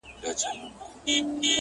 په ما ډکي خزانې دي لوی بانکونه٫